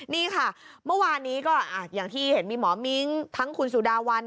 นี่ค่ะเมื่อวานนี้ก็อย่างที่เห็นมีหมอมิ้งทั้งคุณสุดาวัน